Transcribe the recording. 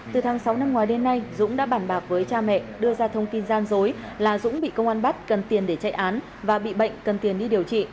từ tháng sáu năm ngoái đến nay dũng đã bản bạc với cha mẹ đưa ra thông tin gian dối là dũng bị công an bắt cần tiền để chạy án và bị bệnh cần tiền đi điều trị